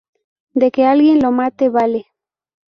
de que alguien lo mate. vale.